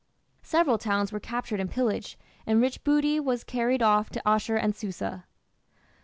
Several towns were captured and pillaged, and rich booty was carried off to Asshur and Susa.